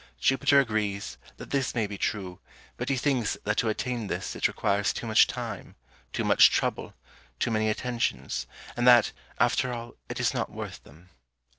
Jupiter agrees that this may be true, but he thinks that to attain this it requires too much time, too much trouble, too many attentions, and that, after all, it is not worth them.